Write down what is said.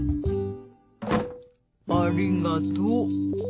ありがとう。